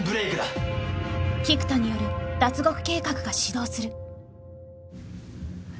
［菊田による脱獄計画が始動する］